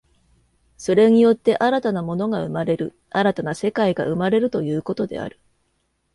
それによって新たな物が生まれる、新たな世界が生まれるということである。